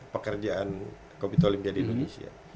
pekerjaan koi di indonesia